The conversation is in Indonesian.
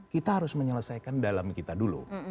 kita harus menyelesaikan dalam kita dulu